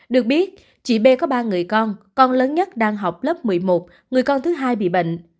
được biết chị b có ba người con con lớn nhất đang học lớp một mươi một người con thứ hai bị bệnh